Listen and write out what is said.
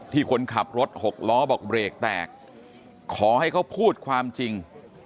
คนขับรถหกล้อบอกเบรกแตกขอให้เขาพูดความจริง